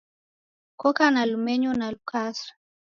Koka na lumenyo na lukaso